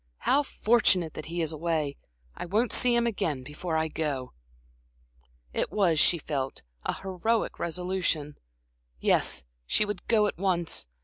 How fortunate that he is away! I won't see him again before I go." It was, she felt, an heroic resolution. Yes, she would go at once.